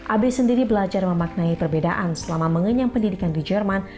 abe sendiri belajar memaknai perbedaan selama mengenyam pendidikan di jerman